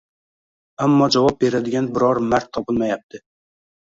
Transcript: Ammo javob beradigan biror mard topilmayapti.